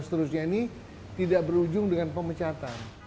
seharusnya ini tidak berujung dengan pemencatan